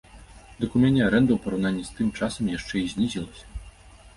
Дык у мяне арэнда ў параўнанні з тым часам яшчэ і знізілася!